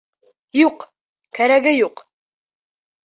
Юҡ, кәрәге юҡ!